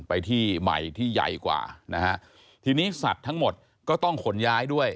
ไปที่ใหม่ที่ใหญ่กว่านะฮะทีนี้สัตว์ทั้งหมดก็ต้องขนย้ายด้วย